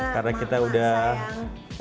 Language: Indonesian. karena kita udah hampir